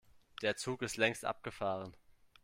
Der Zug ist längst abgefahren.